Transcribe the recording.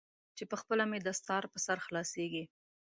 چې پخپله مې دستار پر سر خلاصیږي.